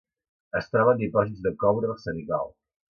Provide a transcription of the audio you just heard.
Es troba en dipòsits de coure arsenical.